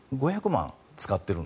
５００万